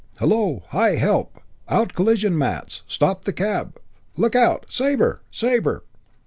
"Hullo! Hi! Help! Out collision mats! Stop the cab! Look out, Sabre! _Sabre!